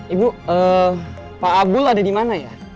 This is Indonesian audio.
ibu pak abdul ada di mana ya